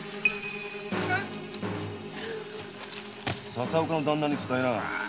佐々岡の旦那に伝えな。